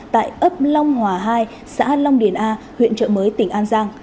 tại ấp long hòa hai xã long điền a huyện trợ mới tỉnh an giang